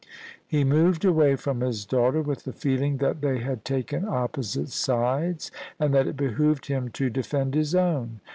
He moved away from his daughter with the feeling that they had taken opposite sides, and that it behoved him to defend his own.